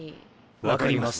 分かります。